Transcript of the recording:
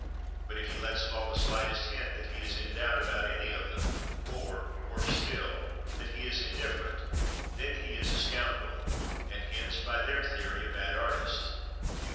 But if he lets fall the slightest hint that he is in doubt about any of them, or, worse still, that he is indifferent, then he is a scoundrel, and hence, by their theory, a bad artist.